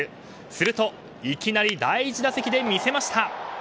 するといきなり、第１打席で魅せました！